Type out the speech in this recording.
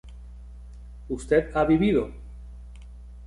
¿usted ha vivido?